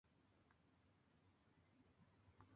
A mitad de año, "La vida" fue doble disco de platino.